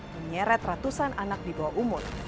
menyeret ratusan anak di bawah umur